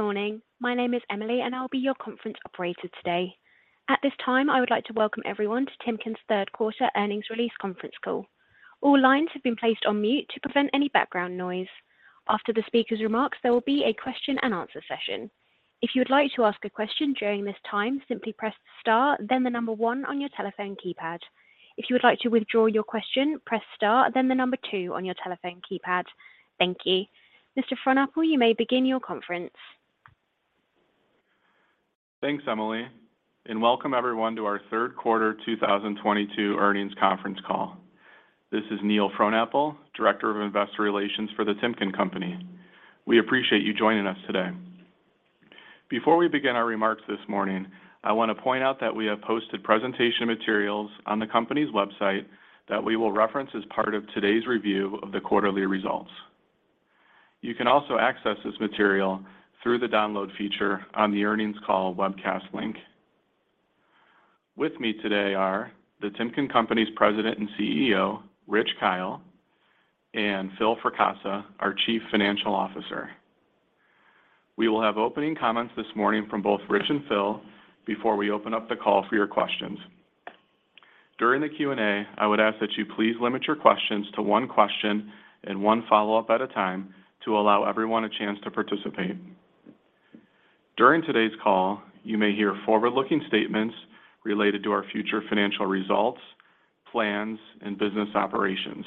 Good morning. My name is Emily, and I'll be your conference operator today. At this time, I would like to welcome everyone to Timken's third quarter earnings release conference call. All lines have been placed on mute to prevent any background noise. After the speaker's remarks, there will be a question-and-answer session. If you would like to ask a question during this time, simply press star then the number one on your telephone keypad. If you would like to withdraw your question, press star then the number two on your telephone keypad. Thank you. Mr. Frohnapple, you may begin your conference. Thanks, Emily, and welcome everyone to our third quarter 2022 earnings conference call. This is Neil Frohnapple, Director of Investor Relations for The Timken Company. We appreciate you joining us today. Before we begin our remarks this morning, I want to point out that we have posted presentation materials on the company's website that we will reference as part of today's review of the quarterly results. You can also access this material through the download feature on the earnings call webcast link. With me today are The Timken Company's President and CEO, Rich Kyle, and Phil Fracassa, our Chief Financial Officer. We will have opening comments this morning from both Rich and Phil before we open up the call for your questions. During the Q&A, I would ask that you please limit your questions to one question and one follow-up at a time to allow everyone a chance to participate. During today's call, you may hear forward-looking statements related to our future financial results, plans, and business operations.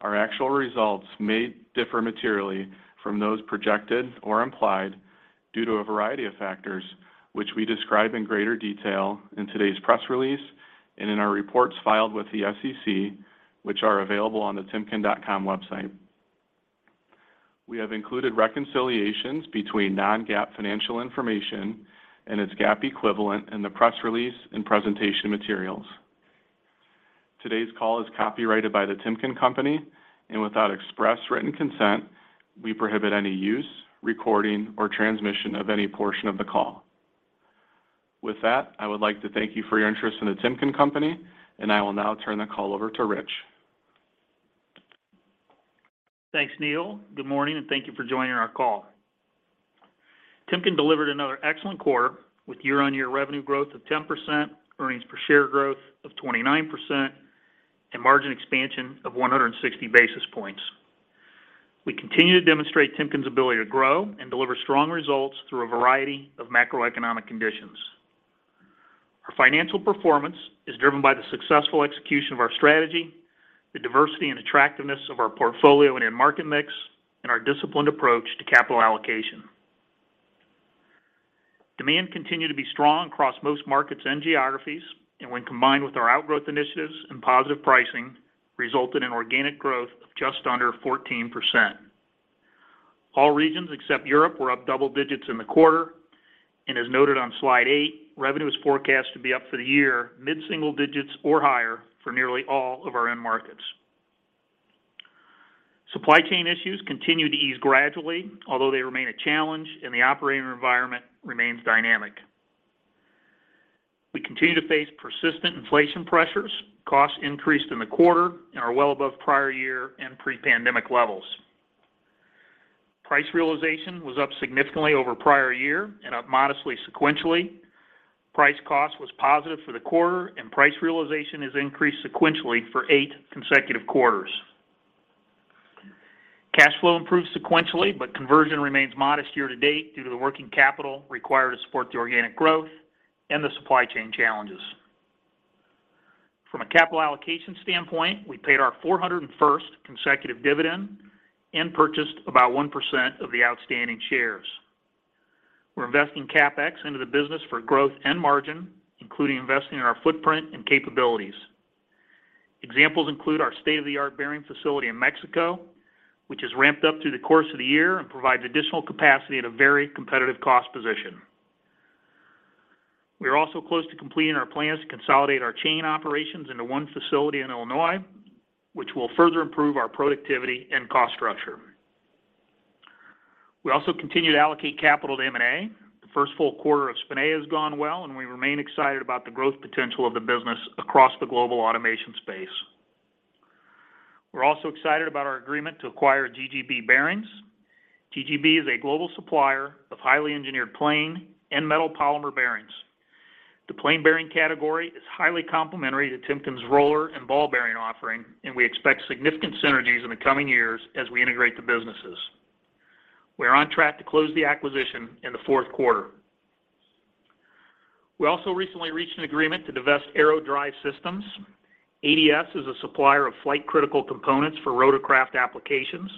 Our actual results may differ materially from those projected or implied due to a variety of factors, which we describe in greater detail in today's press release and in our reports filed with the SEC, which are available on the timken.com website. We have included reconciliations between non-GAAP financial information and its GAAP equivalent in the press release and presentation materials. Today's call is copyrighted by The Timken Company, and without express written consent, we prohibit any use, recording, or transmission of any portion of the call. With that, I would like to thank you for your interest in The Timken Company, and I will now turn the call over to Rich. Thanks, Neil. Good morning, and thank you for joining our call. Timken delivered another excellent quarter with year-on-year revenue growth of 10%, earnings per share growth of 29%, and margin expansion of 160 basis points. We continue to demonstrate Timken's ability to grow and deliver strong results through a variety of macroeconomic conditions. Our financial performance is driven by the successful execution of our strategy, the diversity and attractiveness of our portfolio and end market mix, and our disciplined approach to capital allocation. Demand continued to be strong across most markets and geographies, and when combined with our outgrowth initiatives and positive pricing, resulted in organic growth of just under 14%. All regions except Europe were up double digits in the quarter. As noted on Slide 8, revenue is forecast to be up for the year mid-single digits% or higher for nearly all of our end markets. Supply chain issues continue to ease gradually, although they remain a challenge, and the operating environment remains dynamic. We continue to face persistent inflation pressures. Costs increased in the quarter and are well above prior year and pre-pandemic levels. Price realization was up significantly over prior year and up modestly sequentially. Price cost was positive for the quarter, and price realization has increased sequentially for eight consecutive quarters. Cash flow improved sequentially, but conversion remains modest year to date due to the working capital required to support the organic growth and the supply chain challenges. From a capital allocation standpoint, we paid our 401st consecutive dividend and purchased about 1% of the outstanding shares. We're investing CapEx into the business for growth and margin, including investing in our footprint and capabilities. Examples include our state-of-the-art bearing facility in Mexico, which has ramped up through the course of the year and provides additional capacity at a very competitive cost position. We are also close to completing our plans to consolidate our chain operations into one facility in Illinois, which will further improve our productivity and cost structure. We also continue to allocate capital to M&A. The first full quarter of Spinea has gone well, and we remain excited about the growth potential of the business across the global automation space. We're also excited about our agreement to acquire GGB Bearings. GGB is a global supplier of highly engineered plain and metal polymer bearings. The plain bearing category is highly complementary to Timken's roller and ball bearing offering, and we expect significant synergies in the coming years as we integrate the businesses. We're on track to close the acquisition in the fourth quarter. We also recently reached an agreement to divest Aerospace Drive Systems. ADS is a supplier of flight critical components for rotorcraft applications.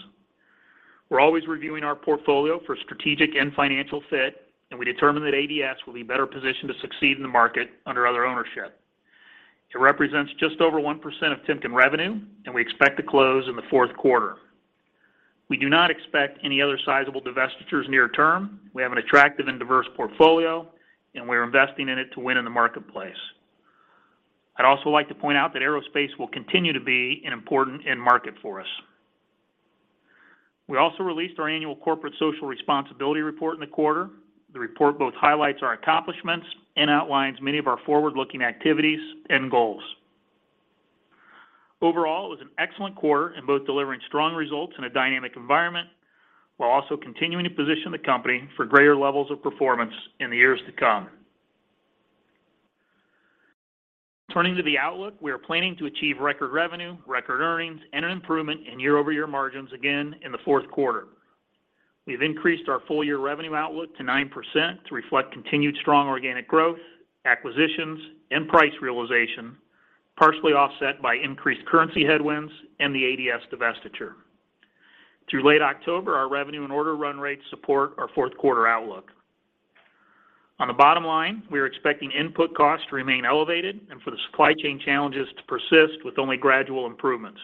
We're always reviewing our portfolio for strategic and financial fit, and we determined that ADS will be better positioned to succeed in the market under other ownership. It represents just over 1% of Timken revenue, and we expect to close in the fourth quarter. We do not expect any other sizable divestitures near term. We have an attractive and diverse portfolio, and we are investing in it to win in the marketplace. I'd also like to point out that aerospace will continue to be an important end market for us. We also released our annual corporate social responsibility report in the quarter. The report both highlights our accomplishments and outlines many of our forward-looking activities and goals. Overall, it was an excellent quarter in both delivering strong results in a dynamic environment, while also continuing to position the company for greater levels of performance in the years to come. Turning to the outlook, we are planning to achieve record revenue, record earnings, and an improvement in year-over-year margins again in the fourth quarter. We've increased our full-year revenue outlook to 9% to reflect continued strong organic growth, acquisitions, and price realization, partially offset by increased currency headwinds and the ADS divestiture. Through late October, our revenue and order run rates support our fourth quarter outlook. On the bottom line, we are expecting input costs to remain elevated and for the supply chain challenges to persist with only gradual improvements.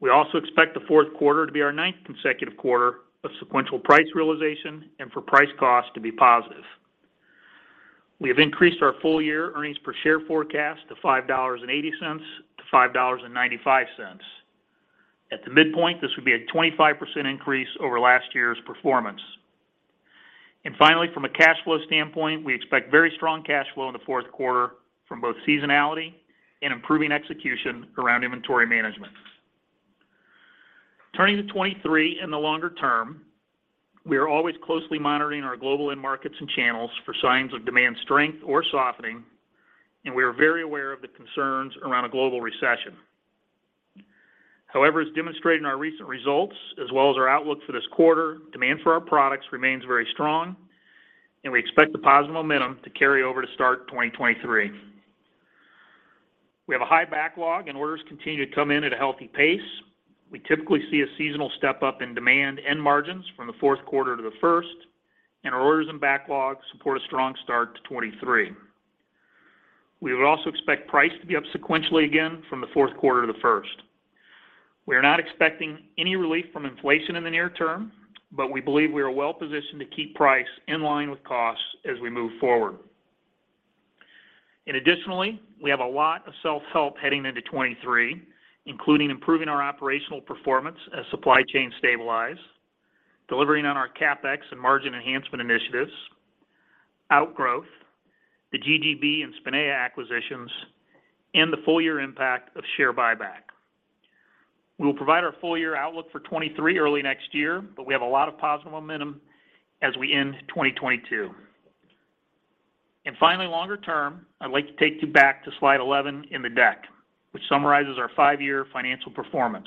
We also expect the fourth quarter to be our ninth consecutive quarter of sequential price realization and for price cost to be positive. We have increased our full-year earnings per share forecast to $5.80-$5.95. At the midpoint, this would be a 25% increase over last year's performance. Finally, from a cash flow standpoint, we expect very strong cash flow in the fourth quarter from both seasonality and improving execution around inventory management. Turning to 2023 in the longer term, we are always closely monitoring our global end markets and channels for signs of demand strength or softening, and we are very aware of the concerns around a global recession. However, as demonstrated in our recent results as well as our outlook for this quarter, demand for our products remains very strong, and we expect the positive momentum to carry over to start 2023. We have a high backlog, and orders continue to come in at a healthy pace. We typically see a seasonal step-up in demand and margins from the fourth quarter to the first, and our orders and backlogs support a strong start to 2023. We would also expect price to be up sequentially again from the fourth quarter to the first. We are not expecting any relief from inflation in the near term, but we believe we are well-positioned to keep price in line with costs as we move forward. Additionally, we have a lot of self-help heading into 2023, including improving our operational performance as supply chain stabilize, delivering on our CapEx and margin enhancement initiatives, outgrowth, the GGB and Spinea acquisitions, and the full-year impact of share buyback. We will provide our full-year outlook for 2023 early next year, but we have a lot of positive momentum as we end 2022. Finally, longer term, I'd like to take you back to Slide 11 in the deck, which summarizes our five year financial performance.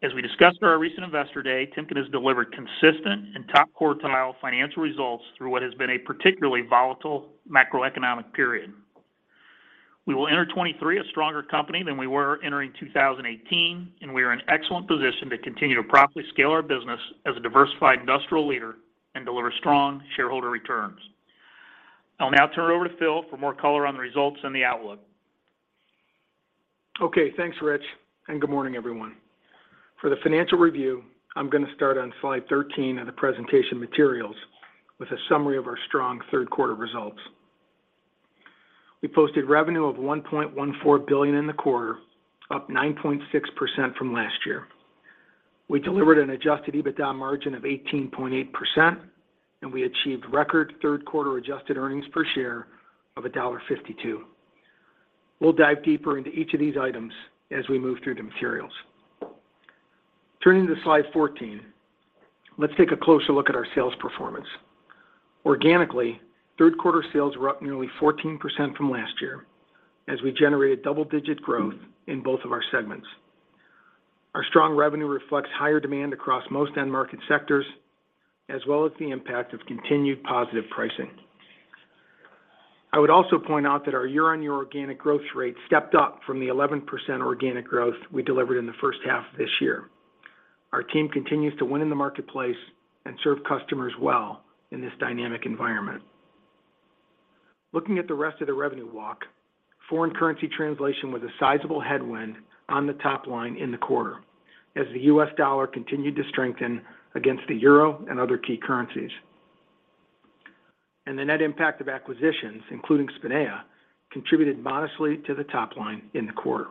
As we discussed at our recent Investor Day, Timken has delivered consistent and top-quartile financial results through what has been a particularly volatile macroeconomic period. We will enter 2023 a stronger company than we were entering 2018, and we are in excellent position to continue to properly scale our business as a diversified industrial leader and deliver strong shareholder returns. I'll now turn it over to Phil for more color on the results and the outlook. Okay, thanks, Rich, and good morning, everyone. For the financial review, I'm gonna start on Slide 13 of the presentation materials with a summary of our strong third quarter results. We posted revenue of $1.14 billion in the quarter, up 9.6% from last year. We delivered an adjusted EBITDA margin of 18.8%, and we achieved record third quarter adjusted earnings per share of $1.52. We'll dive deeper into each of these items as we move through the materials. Turning to Slide 14, let's take a closer look at our sales performance. Organically, third quarter sales were up nearly 14% from last year as we generated double-digit growth in both of our segments. Our strong revenue reflects higher demand across most end market sectors, as well as the impact of continued positive pricing. I would also point out that our year-on-year organic growth rate stepped up from the 11% organic growth we delivered in the first half of this year. Our team continues to win in the marketplace and serve customers well in this dynamic environment. Looking at the rest of the revenue walk, foreign currency translation was a sizable headwind on the top line in the quarter as the US dollar continued to strengthen against the euro and other key currencies. The net impact of acquisitions, including Spinea, contributed modestly to the top line in the quarter.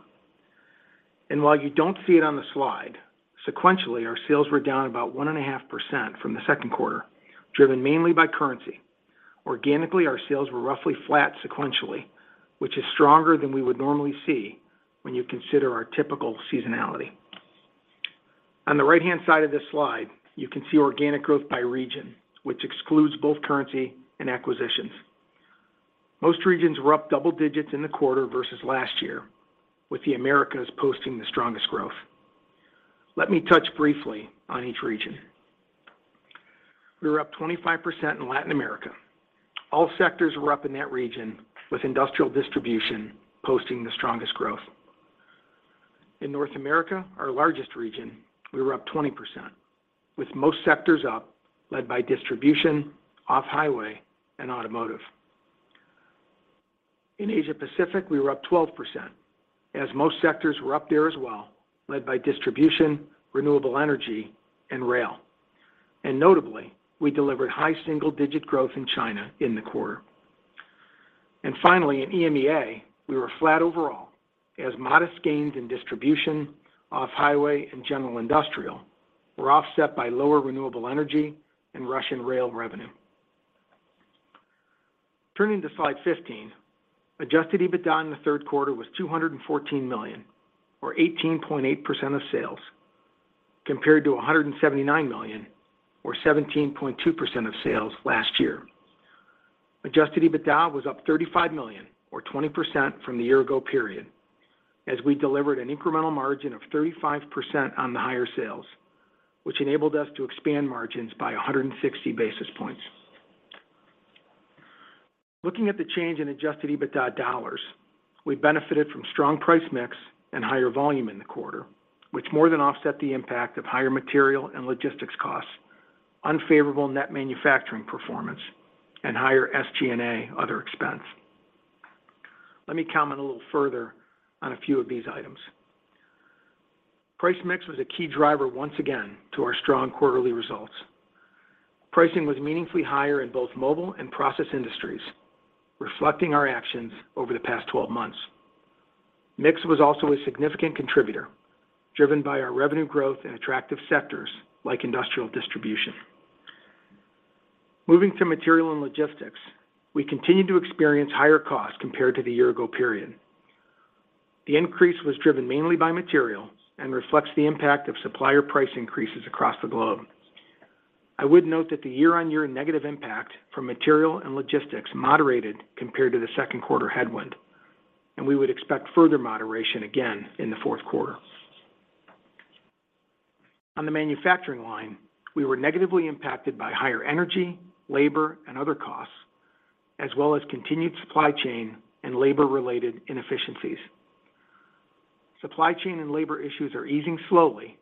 While you don't see it on the slide, sequentially, our sales were down about 1.5% from the second quarter, driven mainly by currency. Organically, our sales were roughly flat sequentially, which is stronger than we would normally see when you consider our typical seasonality. On the right-hand side of this slide, you can see organic growth by region, which excludes both currency and acquisitions. Most regions were up double digits in the quarter versus last year, with the Americas posting the strongest growth. Let me touch briefly on each region. We were up 25% in Latin America. All sectors were up in that region, with industrial distribution posting the strongest growth. In North America, our largest region, we were up 20%, with most sectors up led by distribution, off-highway, and automotive. In Asia Pacific, we were up 12%, as most sectors were up there as well, led by distribution, renewable energy, and rail. Notably, we delivered high single-digit growth in China in the quarter. Finally, in EMEA, we were flat overall as modest gains in distribution off highway and general industrial were offset by lower renewable energy and Russian rail revenue. Turning to Slide 15, adjusted EBITDA in the third quarter was $214 million or 18.8% of sales compared to $179 million or 17.2% of sales last year. Adjusted EBITDA was up $35 million or 20% from the year ago period as we delivered an incremental margin of 35% on the higher sales, which enabled us to expand margins by 160 basis points. Looking at the change in adjusted EBITDA dollars, we benefited from strong price mix and higher volume in the quarter, which more than offset the impact of higher material and logistics costs, unfavorable net manufacturing performance, and higher SG&A other expense. Let me comment a little further on a few of these items. Price mix was a key driver once again to our strong quarterly results. Pricing was meaningfully higher in both Mobile and Process Industries, reflecting our actions over the past 12-months. Mix was also a significant contributor, driven by our revenue growth in attractive sectors like industrial distribution. Moving to material and logistics, we continued to experience higher costs compared to the year-ago period. The increase was driven mainly by material and reflects the impact of supplier price increases across the globe. I would note that the year-on-year negative impact from material and logistics moderated compared to the second quarter headwind, and we would expect further moderation again in the fourth quarter. On the manufacturing line, we were negatively impacted by higher energy, labor, and other costs, as well as continued supply chain and labor-related inefficiencies. Supply chain and labor issues are easing slowly,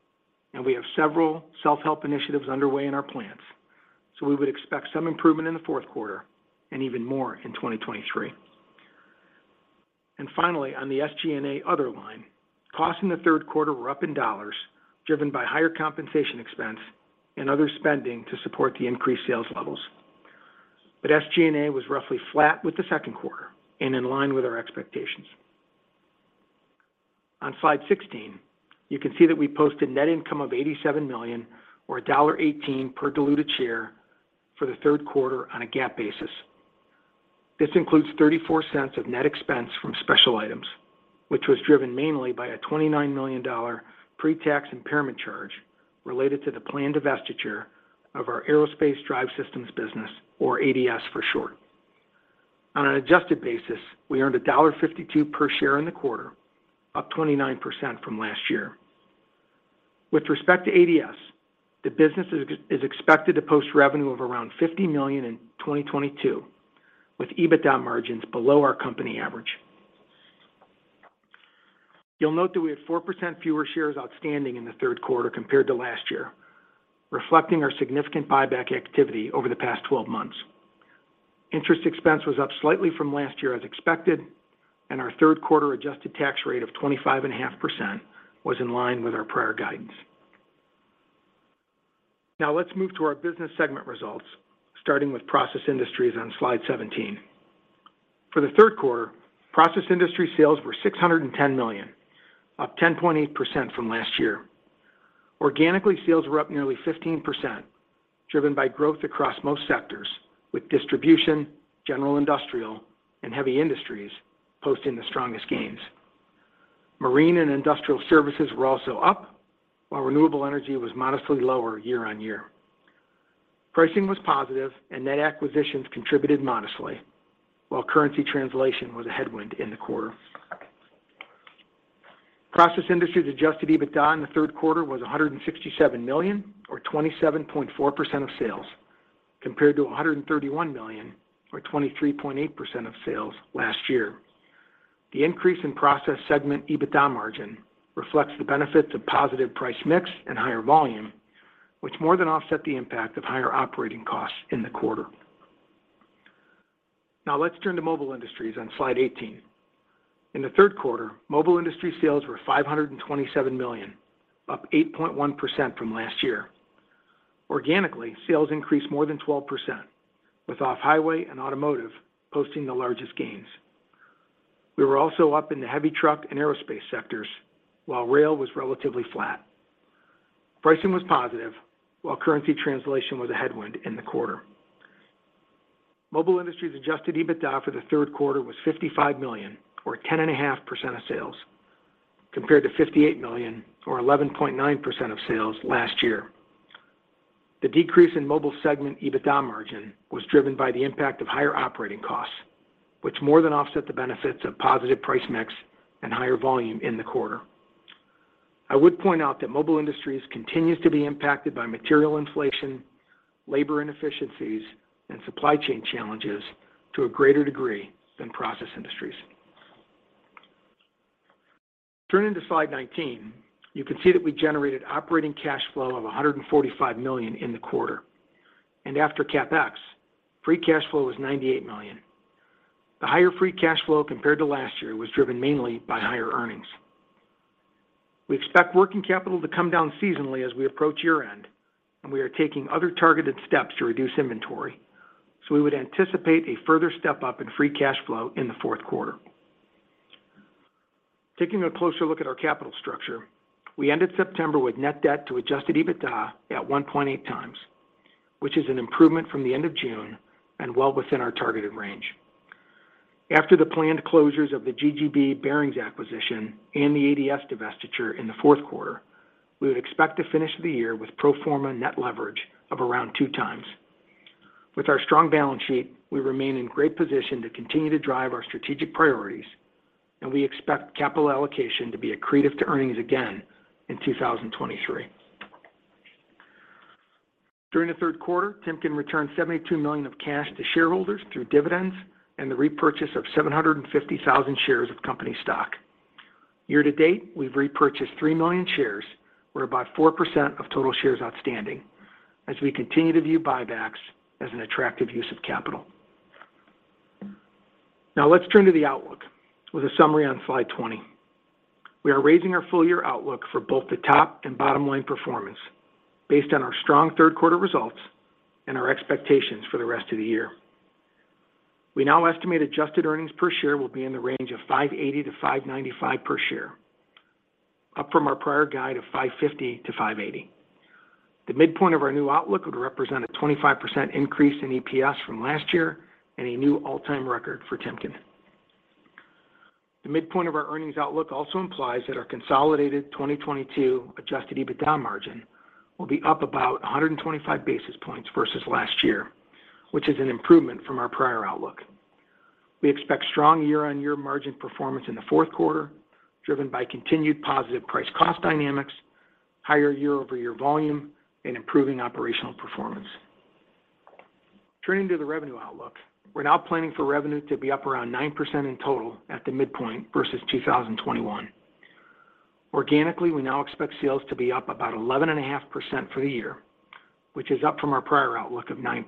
and we have several self-help initiatives underway in our plants. We would expect some improvement in the fourth quarter and even more in 2023. Finally, on the SG&A other line, costs in the third quarter were up in dollars, driven by higher compensation expense and other spending to support the increased sales levels. SG&A was roughly flat with the second quarter and in line with our expectations. On Slide 16, you can see that we posted net income of $87 million or $1.18 per diluted share for the third quarter on a GAAP basis. This includes $0.34 of net expense from special items, which was driven mainly by a $29 million pre-tax impairment charge related to the planned divestiture of our Aerospace Drive Systems business or ADS for short. On an adjusted basis, we earned $1.52 per share in the quarter, up 29% from last year. With respect to ADS, the business is expected to post revenue of around $50 million in 2022, with EBITDA margins below our company average. You'll note that we had 4% fewer shares outstanding in the third quarter compared to last year, reflecting our significant buyback activity over the past 12-months. Interest expense was up slightly from last year as expected, and our third quarter adjusted tax rate of 25.5% was in line with our prior guidance. Now let's move to our business segment results, starting with Process Industries on Slide 17. For the third quarter, Process Industries sales were $610 million, up 10.8% from last year. Organically, sales were up nearly 15%, driven by growth across most sectors with distribution, general industrial, and heavy industries posting the strongest gains. Marine and industrial services were also up, while renewable energy was modestly lower year-over-year. Pricing was positive and net acquisitions contributed modestly while currency translation was a headwind in the quarter. Process Industries adjusted EBITDA in the third quarter was $167 million or 27.4% of sales, compared to $131 million or 23.8% of sales last year. The increase in Process segment EBITDA margin reflects the benefits of positive price mix and higher volume, which more than offset the impact of higher operating costs in the quarter. Now let's turn to Mobile Industries on Slide 18. In the third quarter, Mobile Industries sales were $527 million, up 8.1% from last year. Organically, sales increased more than 12%, with off-highway and automotive posting the largest gains. We were also up in the heavy truck and aerospace sectors, while rail was relatively flat. Pricing was positive, while currency translation was a headwind in the quarter. Mobile Industries adjusted EBITDA for the third quarter was $55 million or 10.5% of sales, compared to $58 million or 11.9% of sales last year. The decrease in Mobile Industries segment EBITDA margin was driven by the impact of higher operating costs, which more than offset the benefits of positive price mix and higher volume in the quarter. I would point out that Mobile Industries continues to be impacted by material inflation, labor inefficiencies, and supply chain challenges to a greater degree than Process Industries. Turning to Slide 19, you can see that we generated operating cash flow of $145 million in the quarter. After CapEx, free cash flow was $98 million. The higher free cash flow compared to last year was driven mainly by higher earnings. We expect working capital to come down seasonally as we approach year-end, and we are taking other targeted steps to reduce inventory, so we would anticipate a further step-up in free cash flow in the fourth quarter. Taking a closer look at our capital structure, we ended September with net debt to adjusted EBITDA at 1.8x, which is an improvement from the end of June and well within our targeted range. After the planned closures of the GGB Bearings acquisition and the ADS divestiture in the fourth quarter, we would expect to finish the year with pro forma net leverage of around 2 times. With our strong balance sheet, we remain in great position to continue to drive our strategic priorities, and we expect capital allocation to be accretive to earnings again in 2023. During the third quarter, Timken returned $72 million of cash to shareholders through dividends and the repurchase of 750,000 shares of company stock. Year to date, we've repurchased 3 million shares. We're about 4% of total shares outstanding as we continue to view buybacks as an attractive use of capital. Now let's turn to the outlook with a summary on slide 20. We are raising our full-year outlook for both the top and bottom line performance based on our strong third quarter results and our expectations for the rest of the year. We now estimate adjusted earnings per share will be in the range of $5.80-$5.95 per share, up from our prior guide of $5.50-$5.80. The midpoint of our new outlook would represent a 25% increase in EPS from last year and a new all-time record for Timken. The midpoint of our earnings outlook also implies that our consolidated 2022 adjusted EBITDA margin will be up about 125 basis points versus last year, which is an improvement from our prior outlook. We expect strong year-on-year margin performance in the fourth quarter, driven by continued positive price cost dynamics, higher year-over-year volume, and improving operational performance. Turning to the revenue outlook. We're now planning for revenue to be up around 9% in total at the midpoint versus 2021. Organically, we now expect sales to be up about 11.5% for the year, which is up from our prior outlook of 9%.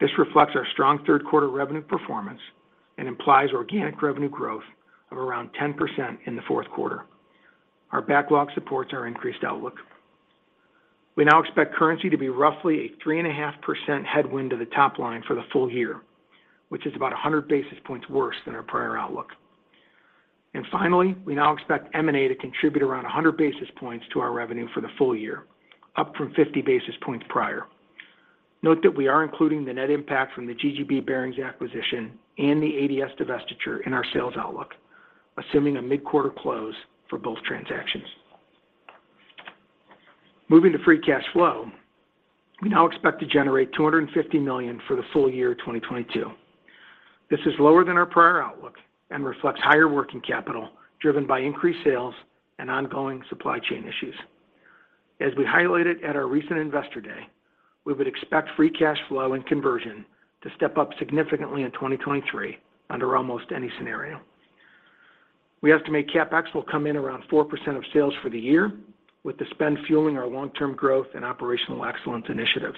This reflects our strong third quarter revenue performance and implies organic revenue growth of around 10% in the fourth quarter. Our backlog supports our increased outlook. We now expect currency to be roughly a 3.5% headwind to the top line for the full year, which is about 100 basis points worse than our prior outlook. Finally, we now expect M&A to contribute around 100 basis points to our revenue for the full year, up from 50 basis points prior. Note that we are including the net impact from the GGB Bearings acquisition and the ADS divestiture in our sales outlook, assuming a mid-quarter close for both transactions. Moving to free cash flow. We now expect to generate $250 million for the full year 2022. This is lower than our prior outlook and reflects higher working capital, driven by increased sales and ongoing supply chain issues. As we highlighted at our recent Investor Day, we would expect free cash flow and conversion to step up significantly in 2023 under almost any scenario. We estimate CapEx will come in around 4% of sales for the year, with the spend fueling our long-term growth and operational excellence initiatives.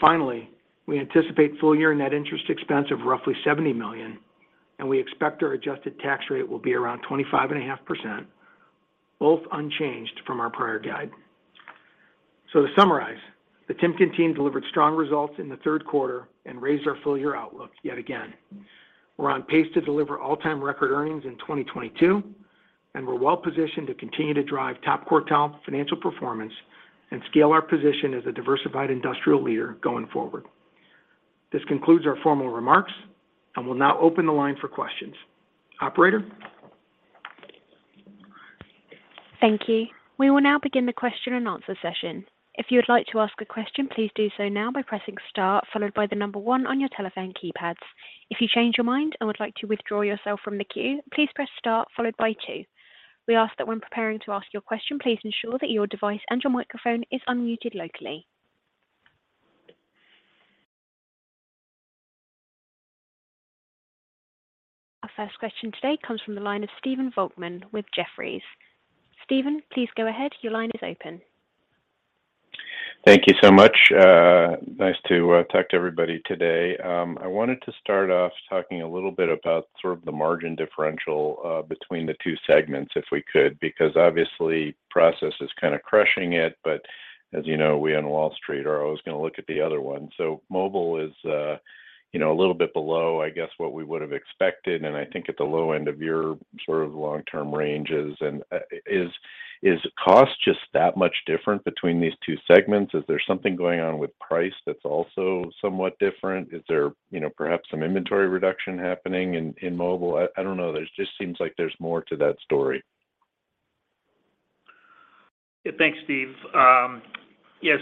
Finally, we anticipate full-year net interest expense of roughly $70 million, and we expect our adjusted tax rate will be around 25.5%, both unchanged from our prior guide. To summarize, the Timken team delivered strong results in the third quarter and raised our full-year outlook yet again. We're on pace to deliver all-time record earnings in 2022, and we're well positioned to continue to drive top-quartile financial performance and scale our position as a diversified industrial leader going forward. This concludes our formal remarks, and we'll now open the line for questions. Operator? Thank you. We will now begin the question and answer session. If you would like to ask a question, please do so now by pressing star followed by the number one on your telephone keypads. If you change your mind and would like to withdraw yourself from the queue, please press star followed by two. We ask that when preparing to ask your question, please ensure that your device and your microphone is unmuted locally. Our first question today comes from the line of Stephen Volkmann with Jefferies. Steven, please go ahead. Your line is open. Thank you so much. Nice to talk to everybody today. I wanted to start off talking a little bit about sort of the margin differential between the two segments, if we could, because obviously process is kind of crushing it. As you know, we on Wall Street are always gonna look at the other one. Mobile is, you know, a little bit below, I guess, what we would have expected and I think at the low end of your sort of long-term ranges. Is cost just that much different between these two segments? Is there something going on with price that's also somewhat different? Is there, you know, perhaps some inventory reduction happening in mobile? I don't know. There just seems like there's more to that story. Yeah. Thanks, Steve. Yes.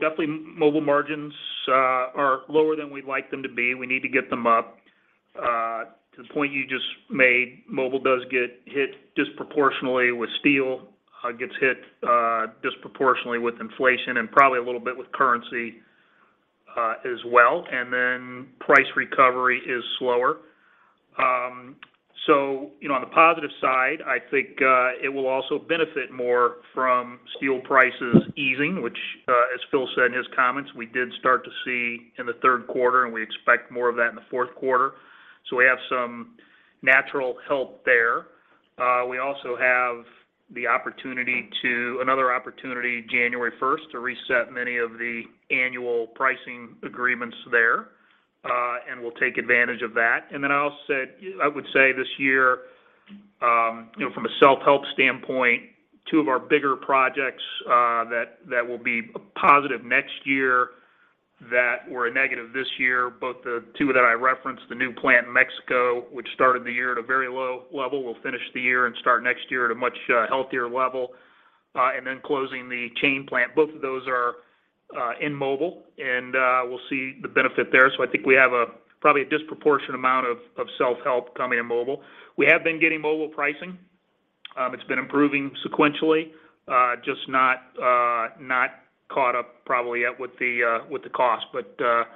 Definitely Mobile margins are lower than we'd like them to be. We need to get them up. To the point you just made, Mobile does get hit disproportionately with steel. It gets hit disproportionately with inflation and probably a little bit with currency as well. Price recovery is slower. You know, on the positive side, I think it will also benefit more from steel prices easing, which as Phil said in his comments, we did start to see in the third quarter, and we expect more of that in the fourth quarter. We have some natural help there. We also have another opportunity January first to reset many of the annual pricing agreements there. We'll take advantage of that. I would say this year, you know, from a self-help standpoint, two of our bigger projects that will be positive next year that were a negative this year, both the two that I referenced, the new plant in Mexico, which started the year at a very low level, will finish the year and start next year at a much healthier level, and then closing the chain plant. Both of those are in Mobile, and we'll see the benefit there. I think we have probably a disproportionate amount of self-help coming in Mobile. We have been getting Mobile pricing. It's been improving sequentially, just not caught up probably yet with the cost. We're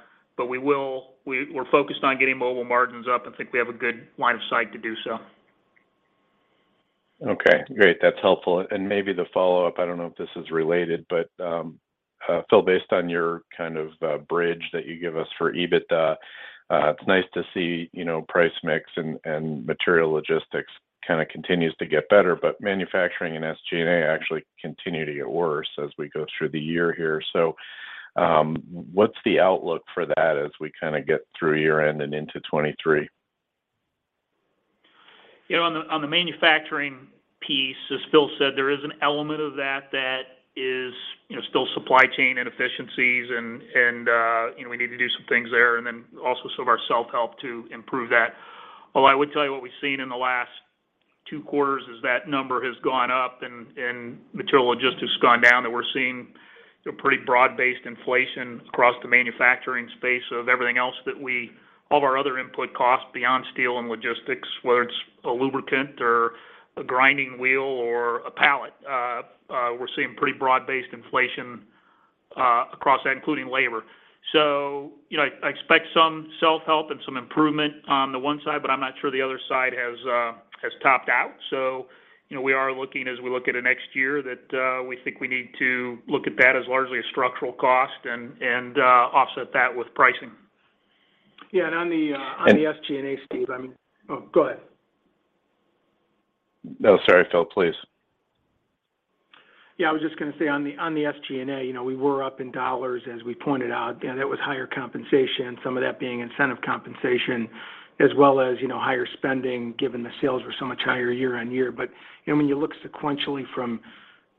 focused on getting Mobile margins up and think we have a good line of sight to do so. Okay, great. That's helpful. Maybe the follow-up, I don't know if this is related, but Phil, based on your kind of bridge that you give us for EBITDA, it's nice to see, you know, price mix and material logistics kind of continues to get better. But manufacturing and SG&A actually continue to get worse as we go through the year here. What's the outlook for that as we kinda get through year-end and into 2023? You know, on the manufacturing piece, as Phil said, there is an element of that that is you know still supply chain inefficiencies and you know we need to do some things there and then also some of our self-help to improve that. Although, I would tell you what we've seen in the last two quarters is that number has gone up and material logistics has gone down, that we're seeing a pretty broad-based inflation across the manufacturing space of everything else that all of our other input costs beyond steel and logistics, whether it's a lubricant or a grinding wheel or a pallet. We're seeing pretty broad-based inflation across that, including labor. You know, I expect some self-help and some improvement on the one side, but I'm not sure the other side has topped out. You know, we are looking as we look at the next year that we think we need to look at that as largely a structural cost and offset that with pricing. Yeah. On the SG&A, Steve, I mean. Oh, go ahead. No, sorry, Phil, please. Yeah, I was just gonna say on the SG&A, you know, we were up in dollars, as we pointed out, and that was higher compensation, some of that being incentive compensation, as well as, you know, higher spending, given the sales were so much higher year-on-year. You know, when you look sequentially from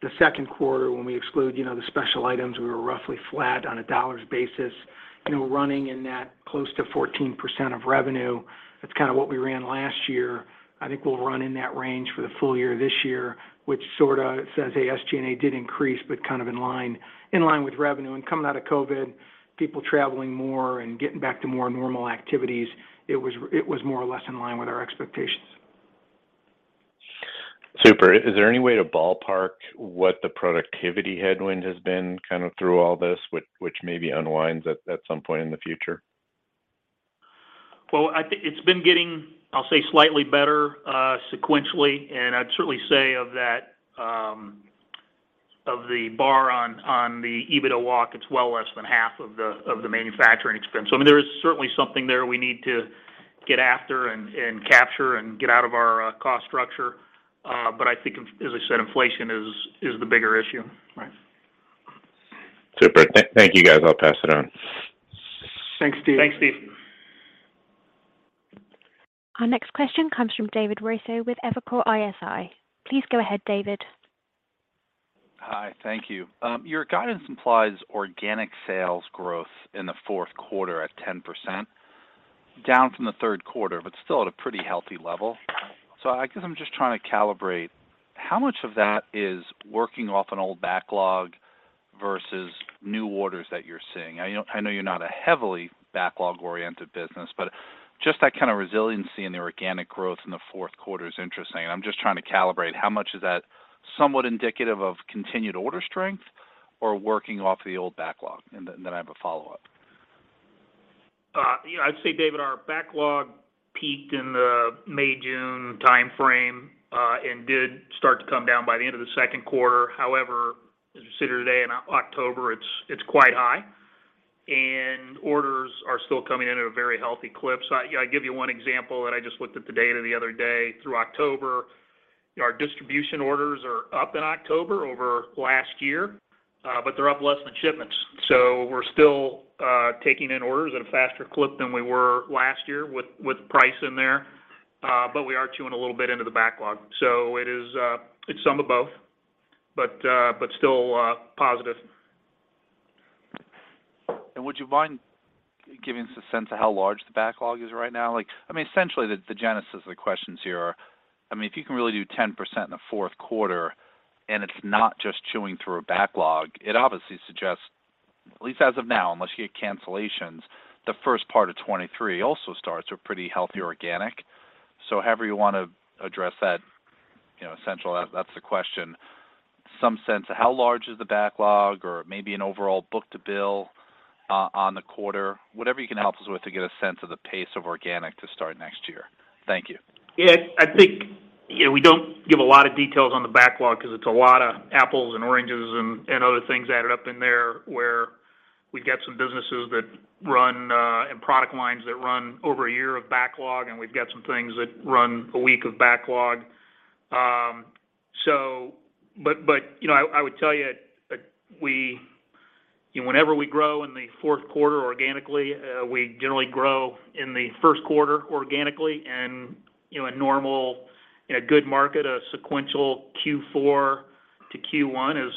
the second quarter when we exclude, you know, the special items, we were roughly flat on a dollars basis, you know, running in that close to 14% of revenue. That's kind of what we ran last year. I think we'll run in that range for the full year this year, which sorta says, hey, SG&A did increase, but kind of in line with revenue. Coming out of COVID, people traveling more and getting back to more normal activities, it was more or less in line with our expectations. Super. Is there any way to ballpark what the productivity headwind has been kind of through all this, which maybe unwinds at some point in the future? Well, I think it's been getting, I'll say, slightly better, sequentially. I'd certainly say of that part of the EBITDA walk, it's well less than half of the manufacturing expense. I mean, there is certainly something there we need to get after and capture and get out of our cost structure. I think, as I said, inflation is the bigger issue. Right. Super. Thank you, guys. I'll pass it on. Thanks, Steve. Thanks, Steve. Our next question comes from David Raso with Evercore ISI. Please go ahead, David. Hi. Thank you. Your guidance implies organic sales growth in the fourth quarter at 10%, down from the third quarter, but still at a pretty healthy level. I guess I'm just trying to calibrate how much of that is working off an old backlog versus new orders that you're seeing? I know you're not a heavily backlog-oriented business, just that kind of resiliency in the organic growth in the fourth quarter is interesting. I'm just trying to calibrate how much is that somewhat indicative of continued order strength or working off the old backlog? I have a follow-up. You know, I'd say, David, our backlog peaked in the May-June timeframe, and did start to come down by the end of the second quarter. However, as we sit here today in October, it's quite high. Orders are still coming in at a very healthy clip. I give you one example, and I just looked at the data the other day. Through October, our distribution orders are up in October over last year, but they're up less than shipments. We're still taking in orders at a faster clip than we were last year with price in there. But we are chewing a little bit into the backlog. It is some of both, but still positive. Would you mind giving us a sense of how large the backlog is right now? Like, I mean, essentially, the genesis of the questions here are, I mean, if you can really do 10% in the fourth quarter and it's not just chewing through a backlog, it obviously suggests, at least as of now, unless you get cancellations, the first part of 2023 also starts with pretty healthy organic. However you want to address that, you know, essentially that's the question. Some sense of how large is the backlog or maybe an overall book-to-bill on the quarter, whatever you can help us with to get a sense of the pace of organic to start next year. Thank you. Yeah. I think, you know, we don't give a lot of details on the backlog because it's a lot of apples and oranges and other things added up in there, where we've got some businesses that run and product lines that run over a year of backlog, and we've got some things that run a week of backlog. But you know, I would tell you that we, you know, whenever we grow in the fourth quarter organically, we generally grow in the first quarter organically and, you know, a normal, a good market, a sequential Q4-Q1 is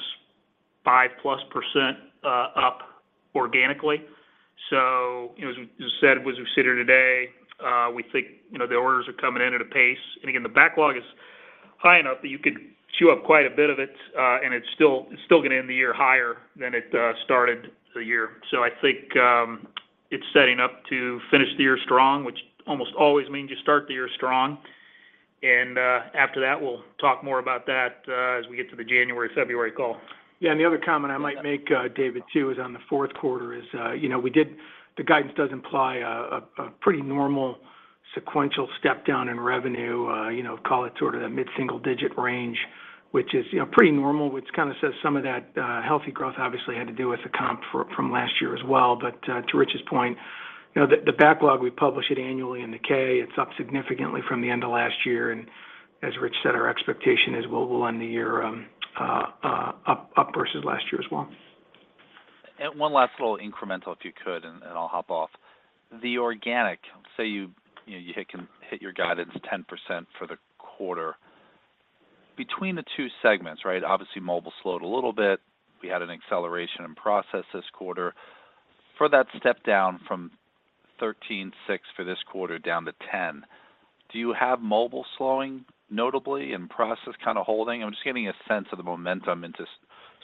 5%+ up organically. You know, as we said, as we sit here today, we think, you know, the orders are coming in at a pace. Again, the backlog is high enough that you could chew up quite a bit of it, and it's still gonna end the year higher than it started the year. I think it's setting up to finish the year strong, which almost always means you start the year strong. After that, we'll talk more about that as we get to the January, February call. Yeah. The other comment I might make, David too, is on the fourth quarter, you know, the guidance does imply a pretty normal sequential step down in revenue, you know, call it sort of the mid-single digit range, which is, you know, pretty normal, which kind of says some of that healthy growth obviously had to do with the comp from last year as well. To Rich's point, you know, the backlog, we publish it annually in the K. It's up significantly from the end of last year, and as Rich said, our expectation is we'll end the year up versus last year as well. One last little incremental if you could, and I'll hop off. The organic, say, you know, you hit your guidance 10% for the quarter. Between the two segments, right, obviously Mobile slowed a little bit. We had an acceleration in Process this quarter. For that step down from 13.6% for this quarter down to 10%, do you have Mobile slowing notably and Process kinda holding? I'm just getting a sense of the momentum into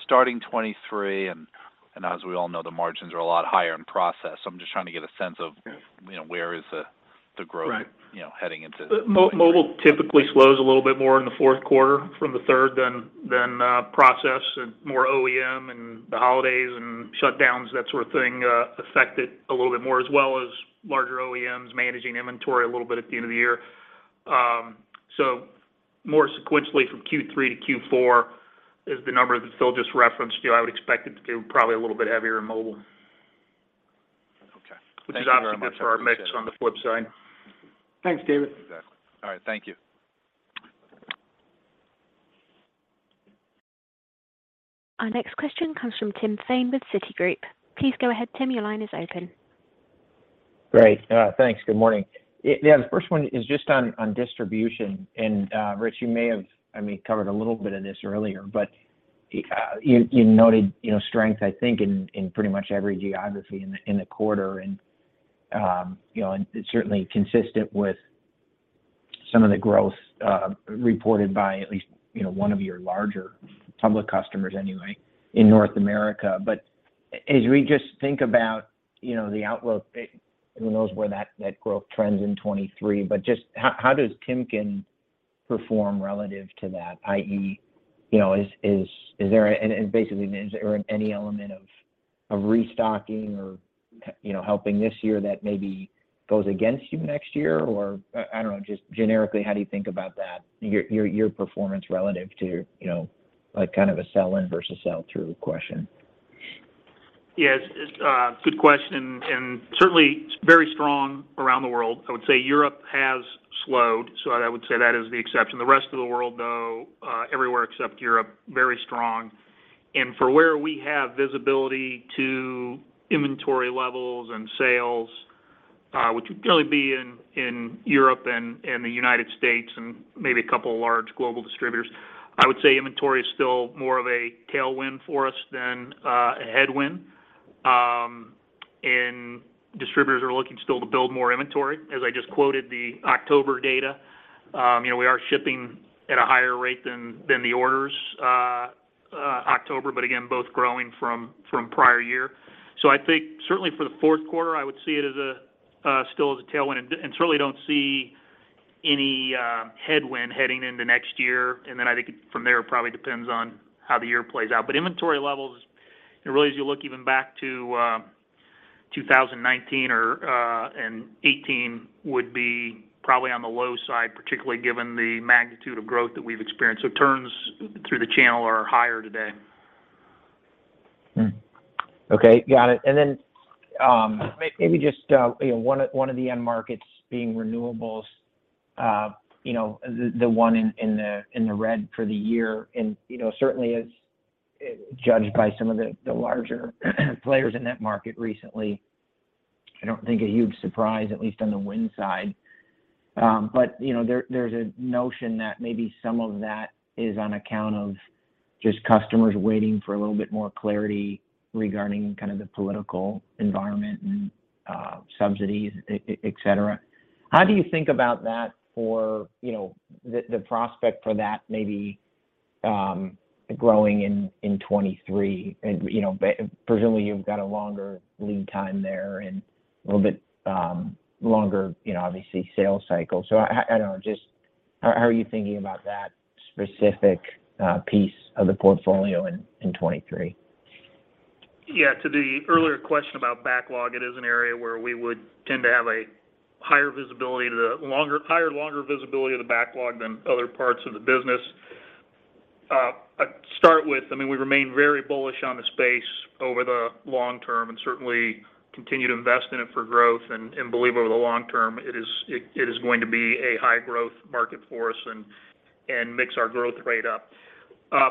starting 2023, and as we all know, the margins are a lot higher in Process. I'm just trying to get a sense of. Yeah. you know, where is the growth? Right. You know, heading into Mobile typically slows a little bit more in the fourth quarter from the third than Process and more OEM and the holidays and shutdowns, that sort of thing, affect it a little bit more, as well as larger OEMs managing inventory a little bit at the end of the year. More sequentially from Q3-Q4 is the number that Phil just referenced to. I would expect it to go probably a little bit heavier in Mobile. Okay. Which is obviously good for our mix on the flip side. Thanks, David. Exactly. All right. Thank you. Our next question comes from Tim Thein with Citigroup. Please go ahead, Tim. Your line is open. Great. Thanks. Good morning. Yeah, the first one is just on distribution. Rich, you may have, I mean, covered a little bit of this earlier, but you noted, you know, strength, I think in pretty much every geography in the quarter. You know, it's certainly consistent with some of the growth reported by at least, you know, one of your larger public customers anyway in North America. But as we just think about, you know, the outlook, who knows where that growth trends in 2023, but just how does Timken perform relative to that? I.e., you know, is there, and basically, is there any element of restocking or, you know, helping this year that maybe goes against you next year? I don't know, just generically, how do you think about that, your performance relative to, you know, like kind of a sell-in versus sell-through question? Yes. It's a good question, and certainly it's very strong around the world. I would say Europe has slowed, so I would say that is the exception. The rest of the world, though, everywhere except Europe, very strong. For where we have visibility to inventory levels and sales, which would really be in Europe and the United States and maybe a couple of large global distributors, I would say inventory is still more of a tailwind for us than a headwind. Distributors are looking still to build more inventory. As I just quoted the October data, we are shipping at a higher rate than the orders October, but again, both growing from prior year. I think certainly for the fourth quarter, I would see it as a still as a tailwind and certainly don't see any headwind heading into next year. I think from there, it probably depends on how the year plays out. Inventory levels, you know, really as you look even back to 2019 or 2018 would be probably on the low side, particularly given the magnitude of growth that we've experienced. Turns through the channel are higher today. Okay. Got it. Maybe just, you know, one of the end markets being renewables, you know, the one in the red for the year and, you know, certainly is judged by some of the larger players in that market recently. I don't think a huge surprise, at least on the wind side. You know, there's a notion that maybe some of that is on account of just customers waiting for a little bit more clarity regarding kind of the political environment and subsidies, et cetera. How do you think about that for, you know, the prospect for that maybe growing in 2023? You know, presumably you've got a longer lead time there and a little bit longer, you know, obviously sales cycle. I don't know, just how are you thinking about that specific piece of the portfolio in 2023? Yeah. To the earlier question about backlog, it is an area where we would tend to have higher, longer visibility of the backlog than other parts of the business. Start with, I mean, we remain very bullish on the space over the long term and certainly continue to invest in it for growth. Believe over the long term, it is going to be a high-growth market for us and mix our growth rate up. As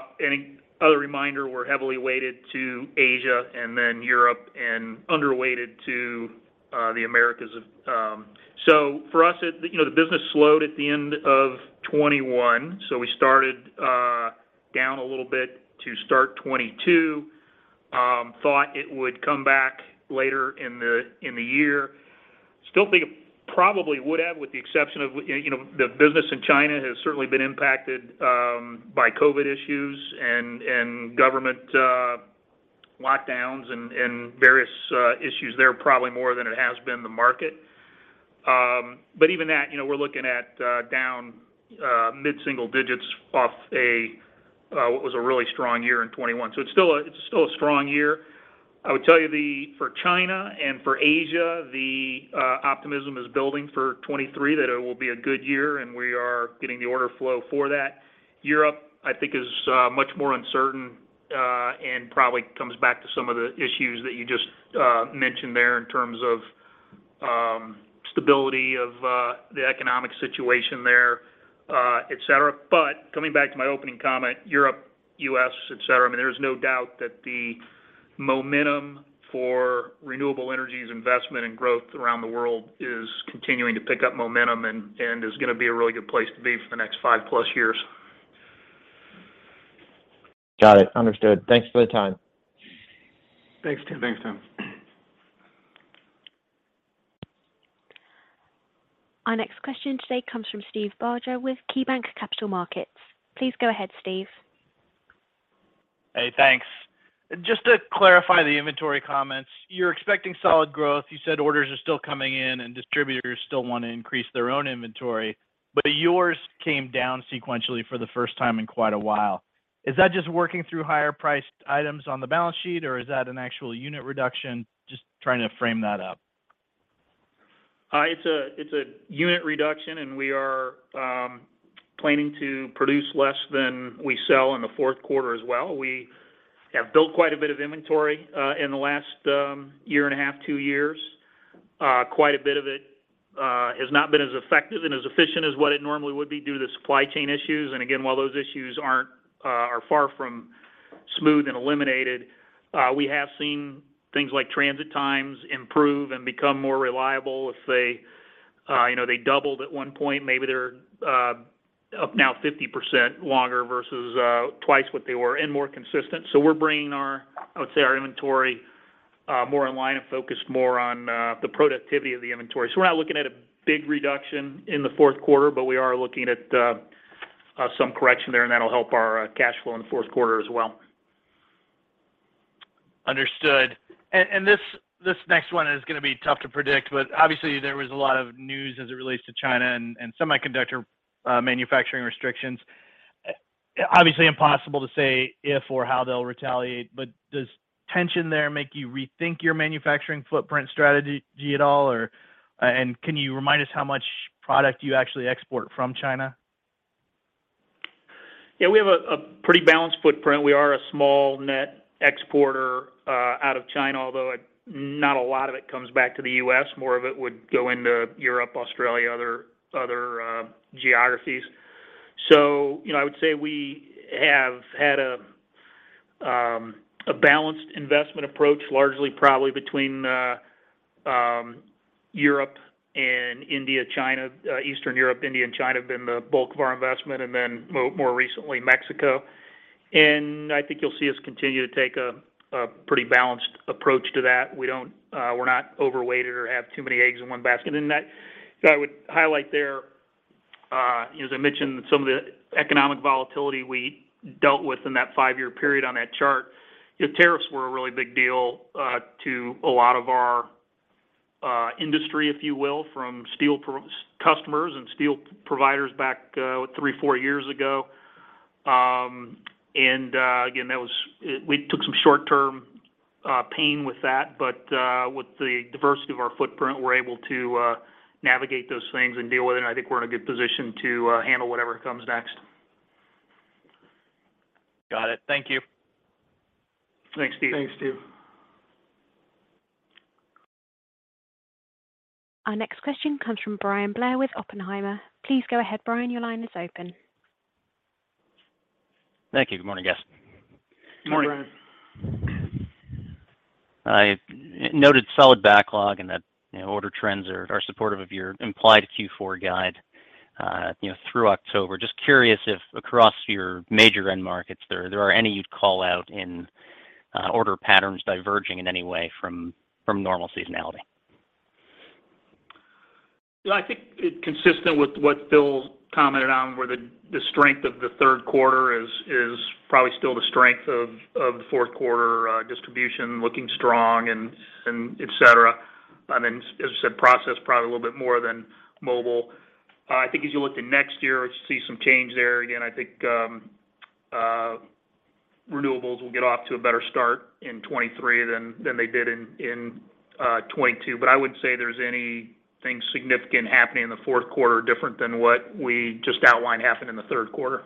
a reminder, we're heavily weighted to Asia and then Europe and underweighted to the Americas. For us, you know, the business slowed at the end of 2021. We started down a little bit to start 2022. Thought it would come back later in the year. still think it probably would have, with the exception of, you know, the business in China has certainly been impacted by COVID issues and government lockdowns and various issues there, probably more than it has been the market. Even that, you know, we're looking at down mid-single digits off a what was a really strong year in 2021. It's still a strong year. I would tell you for China and for Asia, the optimism is building for 2023 that it will be a good year, and we are getting the order flow for that. Europe, I think, is much more uncertain and probably comes back to some of the issues that you just mentioned there in terms of stability of the economic situation there, et cetera. Coming back to my opening comment, Europe, U.S., et cetera, I mean, there is no doubt that the momentum for renewable energies investment and growth around the world is continuing to pick up momentum and is gonna be a really good place to be for the next five plus years. Got it. Understood. Thanks for the time. Thanks, Tim. Thanks, Tim. Our next question today comes from Steve Barger with KeyBanc Capital Markets. Please go ahead, Steve. Hey, thanks. Just to clarify the inventory comments, you're expecting solid growth. You said orders are still coming in and distributors still wanna increase their own inventory. But yours came down sequentially for the first time in quite a while. Is that just working through higher priced items on the balance sheet, or is that an actual unit reduction? Just trying to frame that up. It's a unit reduction, and we are planning to produce less than we sell in the fourth quarter as well. We have built quite a bit of inventory in the last year and a half, two years. Quite a bit of it has not been as effective and as efficient as what it normally would be due to supply chain issues. Again, while those issues are far from smooth and eliminated, we have seen things like transit times improve and become more reliable. Let's say, you know, they doubled at one point, maybe they're up now 50% longer versus twice what they were and more consistent. We're bringing our, I would say, our inventory more in line and focused more on the productivity of the inventory. We're not looking at a big reduction in the fourth quarter, but we are looking at some correction there, and that'll help our cash flow in the fourth quarter as well. Understood. This next one is gonna be tough to predict, but obviously there was a lot of news as it relates to China and semiconductor manufacturing restrictions. Obviously impossible to say if or how they'll retaliate, but does tension there make you rethink your manufacturing footprint strategy at all or can you remind us how much product you actually export from China? Yeah, we have a pretty balanced footprint. We are a small net exporter out of China, although not a lot of it comes back to the U.S. More of it would go into Europe, Australia, other geographies. You know, I would say we have had a balanced investment approach, largely probably between Europe and India, China. Eastern Europe, India, and China have been the bulk of our investment, and then more recently, Mexico. I think you'll see us continue to take a pretty balanced approach to that. We're not overweighted or have too many eggs in one basket. That, I would highlight there, you know, as I mentioned, some of the economic volatility we dealt with in that five year period on that chart. You know, tariffs were a really big deal to a lot of our industry, if you will, from steel customers and steel providers back three, four years ago. Again, we took some short-term pain with that. But with the diversity of our footprint, we're able to navigate those things and deal with it. I think we're in a good position to handle whatever comes next. Got it. Thank you. Thanks, Steve. Thanks, Steve. Our next question comes from Bryan Blair with Oppenheimer. Please go ahead, Bryan. Your line is open. Thank you. Good morning, guys. Good morning. Hey, Bryan. I noted solid backlog and that, you know, order trends are supportive of your implied Q4 guide, you know, through October. Just curious if across your major end markets there are any you'd call out in order patterns diverging in any way from normal seasonality? I think consistent with what Bill commented on, where the strength of the third quarter is probably still the strength of the fourth quarter, distribution looking strong and etcetera. I mean, as you said, process probably a little bit more than mobile. I think as you look to next year, see some change there. Again, I think, renewables will get off to a better start in 2023 than they did in 2022. I wouldn't say there's any things significant happening in the fourth quarter different than what we just outlined happened in the third quarter.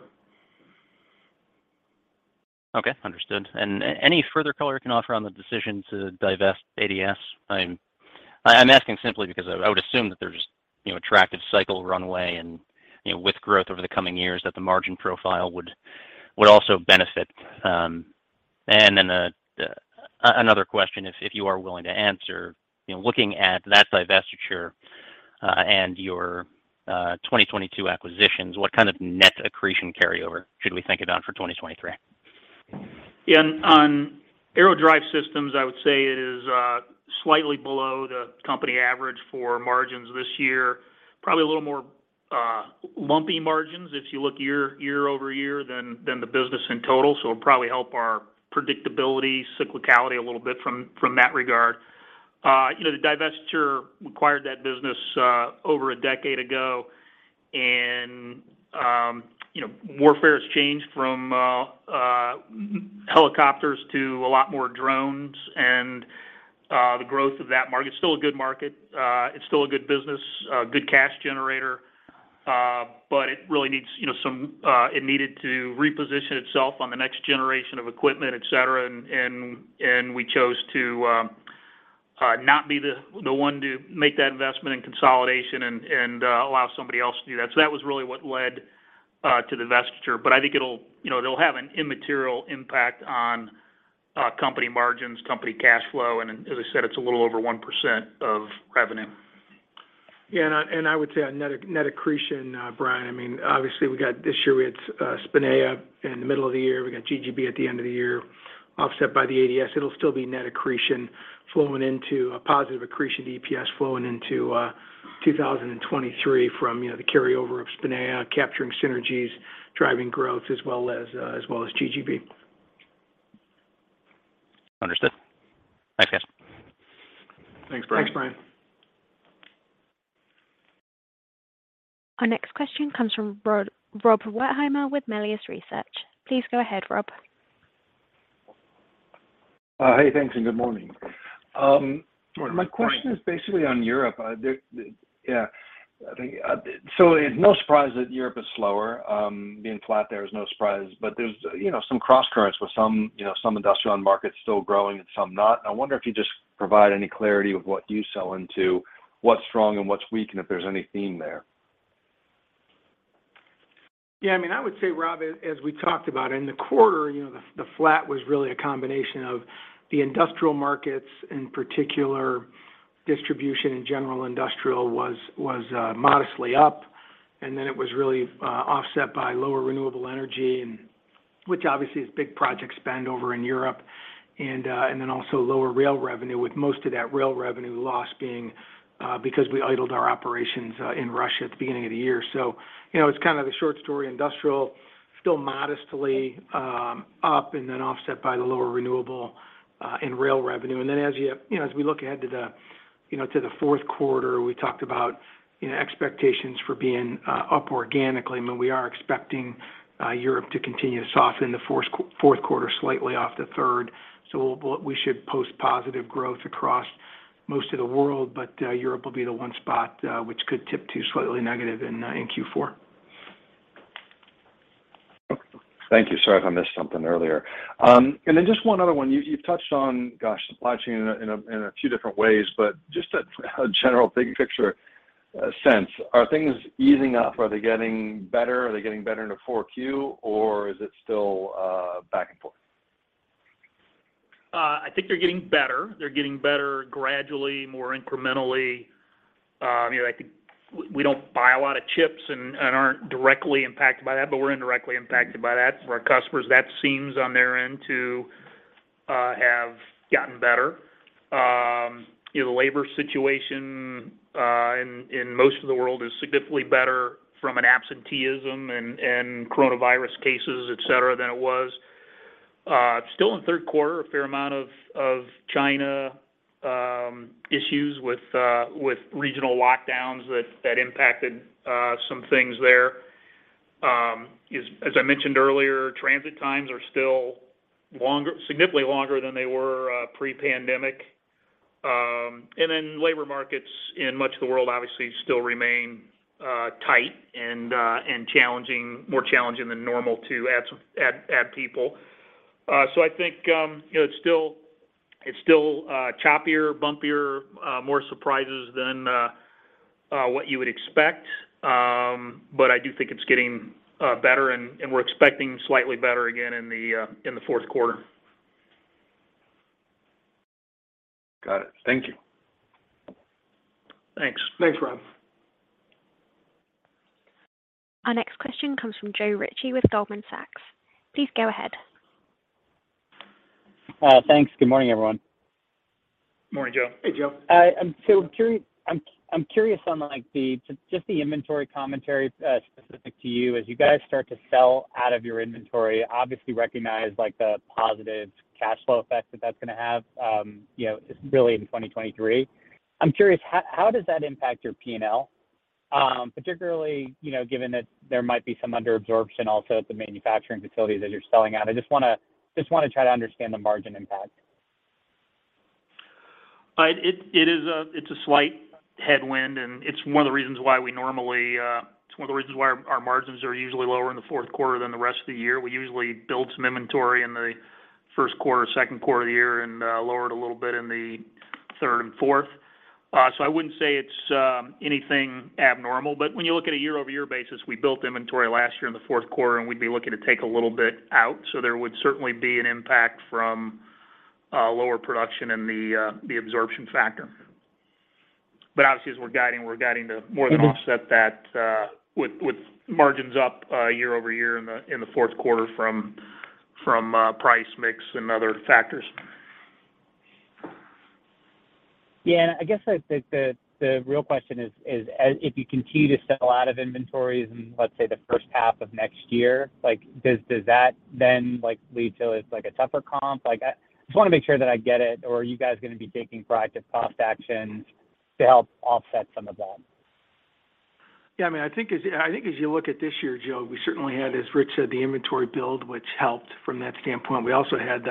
Okay. Understood. Any further color you can offer on the decision to divest ADS? I'm asking simply because I would assume that there's, you know, attractive cycle runway and, you know, with growth over the coming years that the margin profile would also benefit. Then another question if you are willing to answer, you know, looking at that divestiture and your 2022 acquisitions, what kind of net accretion carryover should we think about for 2023? Yeah. On Aerospace Drive Systems, I would say it is slightly below the company average for margins this year. Probably a little more lumpy margins, if you look year-over-year than the business in total. It'll probably help our predictability, cyclicality a little bit from that regard. You know, we acquired that business over a decade ago. You know, warfare has changed from helicopters to a lot more drones and the growth of that market. It's still a good market. It's still a good business, a good cash generator, but it really needs, you know, some. It needed to reposition itself on the next generation of equipment, et cetera. We chose to not be the one to make that investment in consolidation and allow somebody else to do that. That was really what led to the divestiture. I think it'll, you know, it'll have an immaterial impact on company margins, company cash flow, and as I said, it's a little over 1% of revenue. Yeah. I would say on net accretion, Brian. I mean, obviously we got this year, we had Spinea in the middle of the year. We got GGB at the end of the year, offset by the ADS. It'll still be net accretion flowing into a positive accretion EPS flowing into 2023 from, you know, the carryover of Spinea, capturing synergies, driving growth as well as GGB. Understood. Thanks, guys. Thanks, Bryan. Thanks, Bryan. Our next question comes from Rob Wertheimer with Melius Research. Please go ahead, Rob. Hey, thanks and good morning. Good morning. My question is basically on Europe. I think it's no surprise that Europe is slower. Being flat there is no surprise. There's, you know, some cross currents with some, you know, some industrial end markets still growing and some not. I wonder if you just provide any clarity of what you sell into, what's strong and what's weak, and if there's any theme there. Yeah. I mean, I would say, Rob, as we talked about in the quarter, you know, the flat was really a combination of the industrial markets in particular, distribution and general industrial was modestly up. Then it was really offset by lower renewable energy and which obviously is big project spend over in Europe and then also lower rail revenue, with most of that rail revenue loss being because we idled our operations in Russia at the beginning of the year. You know, it's kind of the short story, industrial still modestly up and then offset by the lower renewable and rail revenue. You know, as we look ahead to the fourth quarter, we talked about expectations for being up organically. I mean, we are expecting Europe to continue to soften the fourth quarter slightly off the third. We should post positive growth across most of the world, but Europe will be the one spot which could tip to slightly negative in Q4. Thank you. Sorry if I missed something earlier. Just one other one. You've touched on, gosh, supply chain in a few different ways, but just a general big picture sense, are things easing up? Are they getting better into 4Q, or is it still back and forth? I think they're getting better. They're getting better gradually, more incrementally. You know, I think we don't buy a lot of chips and aren't directly impacted by that, but we're indirectly impacted by that. For our customers, that seems on their end to have gotten better. You know, the labor situation in most of the world is significantly better from an absenteeism and coronavirus cases, et cetera, than it was. Still in third quarter, a fair amount of China issues with regional lockdowns that impacted some things there. As I mentioned earlier, transit times are still longer, significantly longer than they were pre-pandemic. Labor markets in much of the world obviously still remain tight and challenging, more challenging than normal to add people. I think, you know, it's still choppier, bumpier, more surprises than what you would expect. I do think it's getting better and we're expecting slightly better again in the fourth quarter. Got it. Thank you. Thanks. Thanks, Rob. Our next question comes from Joe Ritchie with Goldman Sachs. Please go ahead. Thanks. Good morning, everyone. Morning, Joe. Hey, Joe. I'm curious on, like, just the inventory commentary, specific to you. As you guys start to sell out of your inventory, obviously recognize, like, the positive cash flow effect that that's gonna have, you know, really in 2023. I'm curious, how does that impact your P&L? Particularly, you know, given that there might be some under absorption also at the manufacturing facilities that you're selling at. I just wanna try to understand the margin impact. It's a slight headwind, and it's one of the reasons why our margins are usually lower in the fourth quarter than the rest of the year. We usually build some inventory in the first quarter, second quarter of the year, and lower it a little bit in the third and fourth. I wouldn't say it's anything abnormal, but when you look at a year-over-year basis, we built inventory last year in the fourth quarter, and we'd be looking to take a little bit out. There would certainly be an impact from lower production and the absorption factor. Obviously, as we're guiding to more than offset that, with margins up year-over-year in the fourth quarter from price mix and other factors. Yeah. I guess, like, the real question is if you continue to sell a lot of inventories in, let's say, the first half of next year, like, does that then, like, lead to it's, like, a tougher comp? Like, I just wanna make sure that I get it. Or are you guys gonna be taking proactive cost actions to help offset some of that? Yeah. I mean, I think as you look at this year, Joe, we certainly had, as Rich said, the inventory build, which helped from that standpoint. We also had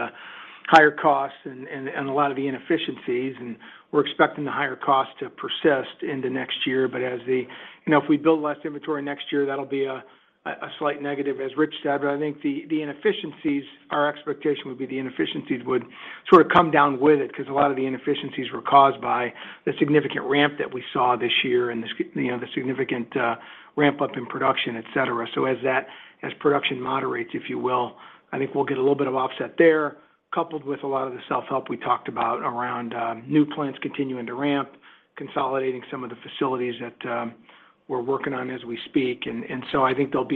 the higher costs and a lot of the inefficiencies, and we're expecting the higher costs to persist into next year. You know, if we build less inventory next year, that'll be a slight negative, as Rich said. I think the inefficiencies, our expectation would be the inefficiencies would sort of come down with it because a lot of the inefficiencies were caused by the significant ramp that we saw this year and the significant, you know, ramp up in production, et cetera. As production moderates, if you will, I think we'll get a little bit of offset there, coupled with a lot of the self-help we talked about around new plants continuing to ramp, consolidating some of the facilities that we're working on as we speak. I think there'll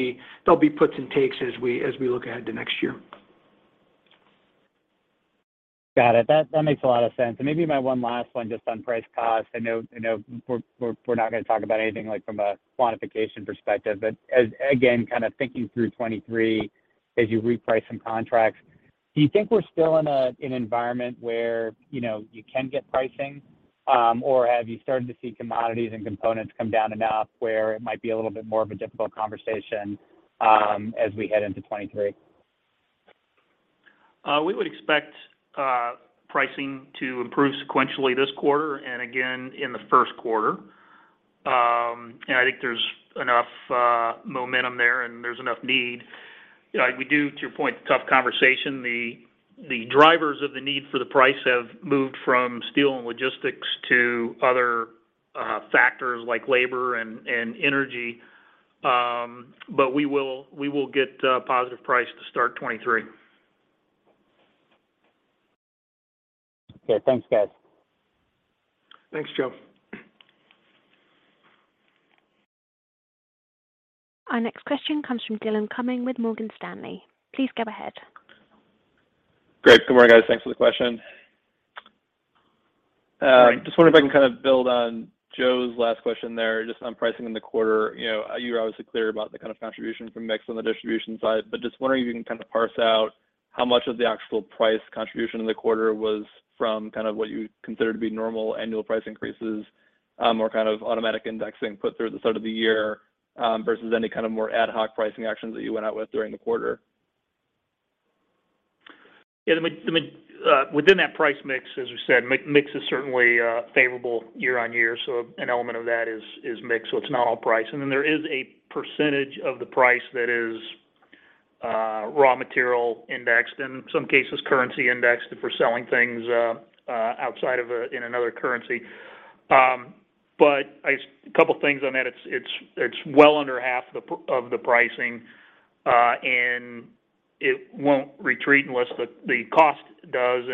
be puts and takes as we look ahead to next year. Got it. That makes a lot of sense. Maybe my one last one just on price cost. I know we're not gonna talk about anything, like, from a quantification perspective, but as again, kind of thinking through 2023 as you reprice some contracts, do you think we're still in an environment where, you know, you can get pricing, or have you started to see commodities and components come down enough where it might be a little bit more of a difficult conversation, as we head into 2023? We would expect pricing to improve sequentially this quarter and again in the first quarter. I think there's enough momentum there, and there's enough need. You know, we do, to your point, tough conversation, the drivers of the need for the price have moved from steel and logistics to other factors like labor and energy. We will get positive price to start 2023. Okay. Thanks, guys. Thanks, Joe. Our next question comes from Dylan Cummings with Morgan Stanley. Please go ahead. Great. Good morning, guys. Thanks for the question. Morning. Just wonder if I can kind of build on Joe's last question there just on pricing in the quarter. You know, you were obviously clear about the kind of contribution from mix on the distribution side, but just wondering if you can kind of parse out how much of the actual price contribution in the quarter was from kind of what you consider to be normal annual price increases, or kind of automatic indexing put through at the start of the year, versus any kind of more ad hoc pricing actions that you went out with during the quarter. Yeah. Within that price mix, as we said, mix is certainly favorable year on year. An element of that is mix, so it's not all price. Then there is a percentage of the price that is raw material indexed, in some cases, currency indexed, if we're selling things outside in another currency. A couple things on that. It's well under half of the pricing, and it won't retreat unless the cost does.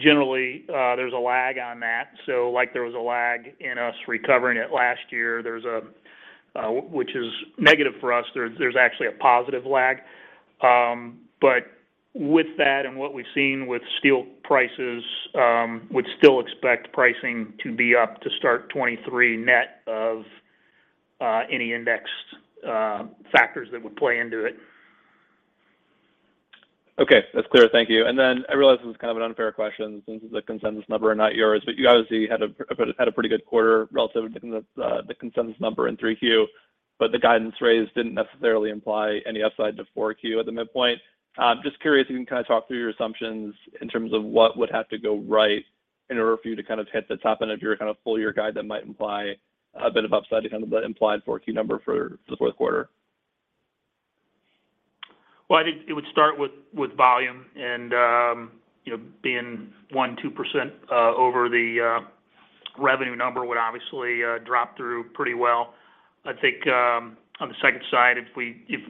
Generally, there's a lag on that. Like there was a lag in us recovering it last year. Which is negative for us. There's actually a positive lag. With that and what we've seen with steel prices, would still expect pricing to be up to start 2023 net of any indexed factors that would play into it. Okay. That's clear. Thank you. I realize this is kind of an unfair question since it's a consensus number and not yours, but you obviously had a pretty good quarter relative to the consensus number in 3Q, but the guidance raise didn't necessarily imply any upside to 4Q at the midpoint. Just curious if you can kind of talk through your assumptions in terms of what would have to go right in order for you to kind of hit the top end of your kind of full year guide that might imply a bit of upside to kind of the implied 4Q number for the fourth quarter. Well, I think it would start with volume and, you know, being 1%-2% over the revenue number would obviously drop through pretty well. I think on the second side, if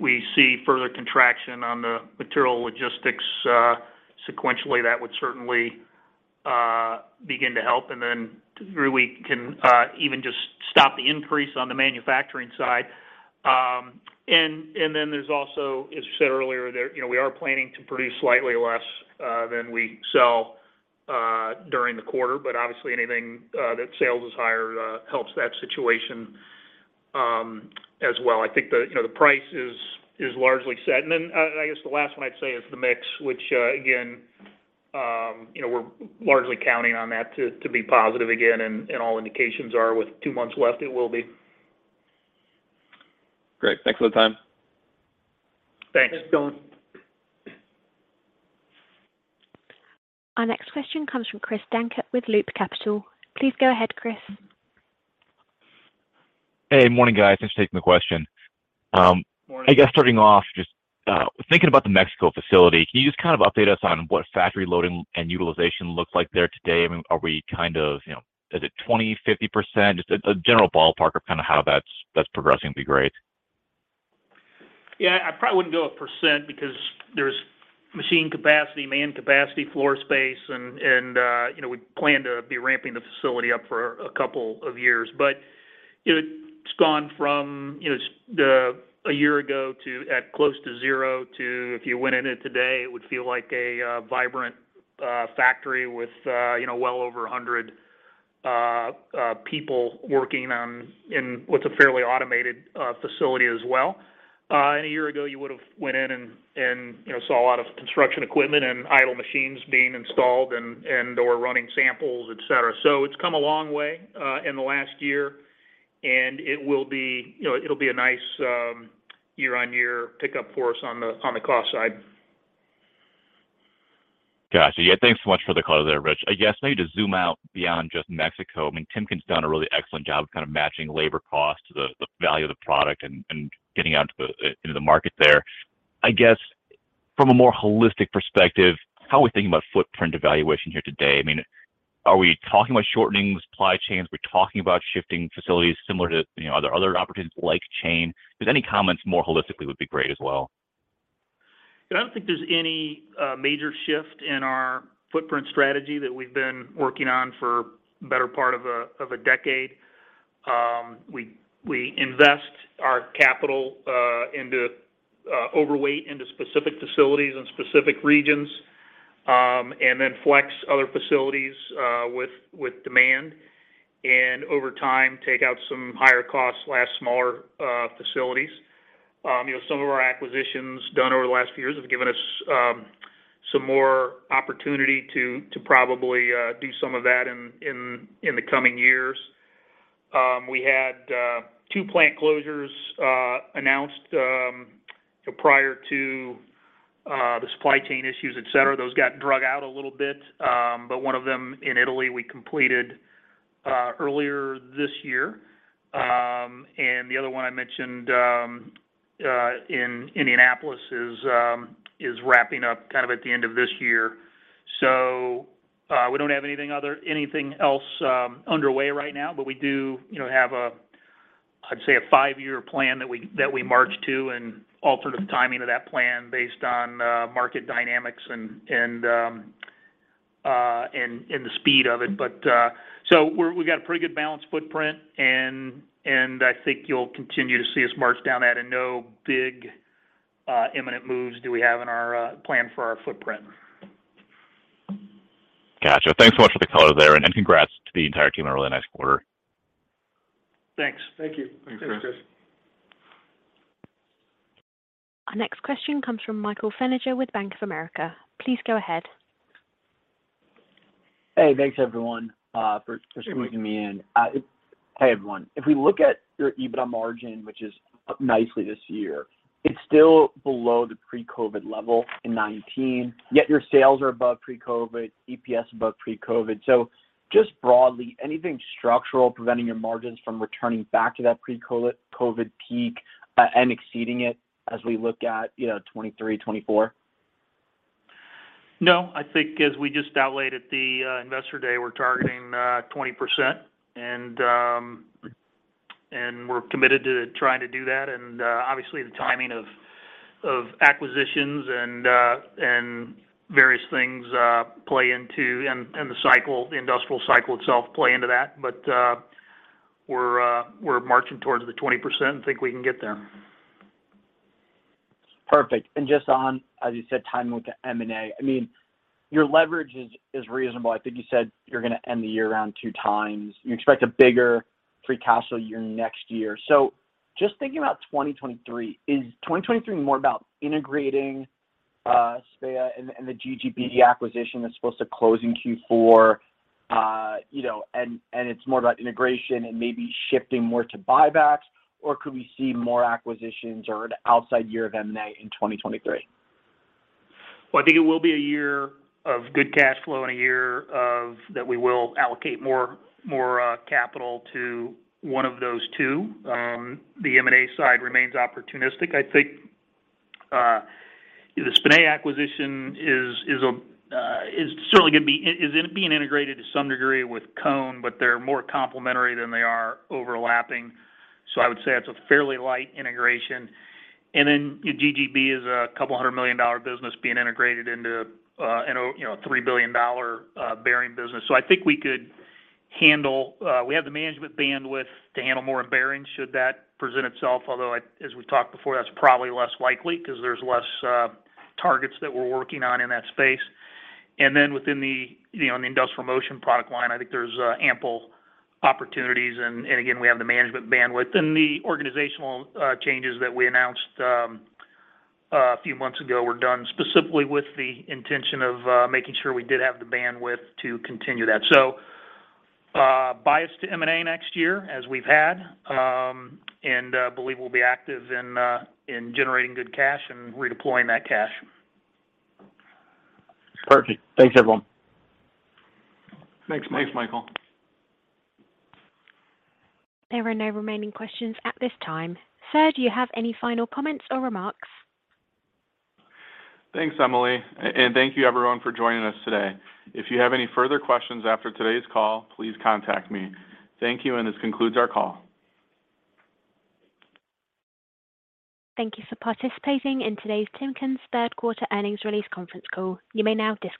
we see further contraction on the material logistics sequentially, that would certainly begin to help. Three, we can even just stop the increase on the manufacturing side. Then there's also, as you said earlier, you know, we are planning to produce slightly less than we sell during the quarter, but obviously anything that sales is higher helps that situation as well. I think the price is largely set. I guess the last one I'd say is the mix, which, again, you know, we're largely counting on that to be positive again, and all indications are with two months left, it will be. Great. Thanks for the time. Thanks. Thanks, Dylan. Our next question comes from Chris Dankert with Loop Capital. Please go ahead, Chris. Hey. Morning, guys. Thanks for taking the question. Morning. I guess starting off just, thinking about the Mexico facility, can you just kind of update us on what factory loading and utilization looks like there today? I mean, are we kind of, you know? Is it 20%, 50%? Just a general ballpark of kind of how that's progressing would be great. Yeah. I probably wouldn't go with percent because there's machine capacity, man capacity, floor space, and we plan to be ramping the facility up for a couple of years. It's gone from close to zero a year ago to if you went in it today, it would feel like a vibrant factory with well over 100 people working in what's a fairly automated facility as well. A year ago you would've went in and saw a lot of construction equipment and idle machines being installed and/or running samples, et cetera. It's come a long way in the last year, and it will be. It'll be a nice year-on-year pickup for us on the cost side. Gotcha. Yeah, thanks so much for the color there, Rich. I guess maybe to zoom out beyond just Mexico, I mean, Timken's done a really excellent job of kind of matching labor costs to the value of the product and getting out into the market there. I guess from a more holistic perspective, how are we thinking about footprint evaluation here today? I mean, are we talking about shortening the supply chains? Are we talking about shifting facilities similar to, you know, are there other opportunities like Cone? Just any comments more holistically would be great as well. You know, I don't think there's any major shift in our footprint strategy that we've been working on for better part of a decade. We invest our capital into overweight into specific facilities and specific regions, and then flex other facilities with demand, and over time take out some higher cost, smaller facilities. You know, some of our acquisitions done over the last few years have given us some more opportunity to probably do some of that in the coming years. We had two plant closures announced prior to the supply chain issues, et cetera. Those got dragged out a little bit. One of them in Italy we completed earlier this year. The other one I mentioned in Indianapolis is wrapping up kind of at the end of this year. We don't have anything else underway right now, but we do, you know, have a, I'd say a five-year plan that we march to and alter the timing of that plan based on market dynamics and the speed of it. We got a pretty good balanced footprint and I think you'll continue to see us march down that and no big imminent moves do we have in our plan for our footprint. Gotcha. Thanks so much for the color there, and congrats to the entire team on a really nice quarter. Thanks. Thank you. Thanks, Chris. Thanks, Chris. Our next question comes from Michael Feniger with Bank of America. Please go ahead. Hey, thanks everyone, for Sure. Hey, everyone. If we look at your EBITDA margin, which is up nicely this year, it's still below the pre-COVID level in 2019, yet your sales are above pre-COVID, EPS above pre-COVID. Just broadly, anything structural preventing your margins from returning back to that pre-COVID peak, and exceeding it as we look at, you know, 2023, 2024? No. I think as we just outlined at the Investor Day, we're targeting 20% and we're committed to trying to do that. Obviously the timing of acquisitions and various things play into, and the cycle, the industrial cycle itself, play into that. We're marching towards the 20% and think we can get there. Perfect. Just on, as you said, timing with the M&A. I mean, your leverage is reasonable. I think you said you're gonna end the year around 2 times. You expect a bigger free cash flow year next year. Just thinking about 2023, is 2023 more about integrating Spinea and the GGB acquisition that's supposed to close in Q4, you know, and it's more about integration and maybe shifting more to buybacks? Or could we see more acquisitions or an outsized year of M&A in 2023? I think it will be a year of good cash flow and a year that we will allocate more capital to one of those two. The M&A side remains opportunistic. I think the Spinea acquisition is certainly being integrated to some degree with Cone, but they're more complementary than they are overlapping. So I would say it's a fairly light integration. Then GGB is a couple hundred million dollar business being integrated into, you know, a $3 billion bearing business. So I think we could handle it. We have the management bandwidth to handle more in bearing should that present itself. Although, as we've talked before, that's probably less likely because there's less targets that we're working on in that space. Then within the, you know, in the industrial motion product line, I think there's ample opportunities and again, we have the management bandwidth. The organizational changes that we announced a few months ago were done specifically with the intention of making sure we did have the bandwidth to continue that. Bias to M&A next year, as we've had, and believe we'll be active in generating good cash and redeploying that cash. Perfect. Thanks everyone. Thanks, Mike. Thanks, Michael. There are no remaining questions at this time. Sir, do you have any final comments or remarks? Thanks, Emily. And thank you everyone for joining us today. If you have any further questions after today's call, please contact me. Thank you, and this concludes our call. Thank you for participating in today's Timken's third quarter earnings release conference call. You may now disconnect.